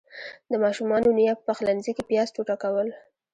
د ماشومانو نيا په پخلنځي کې پياز ټوټه کول.